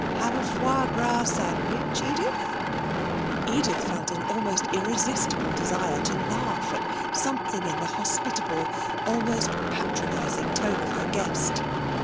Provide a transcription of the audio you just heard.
Have a foie gras sandwich, Edith?' Edith felt an almost irresistible desire to laugh at something in the hospitable, almost patronising tone of her guest.